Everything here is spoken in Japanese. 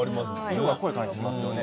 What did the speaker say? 色が濃い感じしますよね。